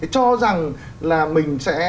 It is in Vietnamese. cho rằng là mình sẽ